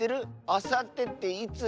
あさってっていつ？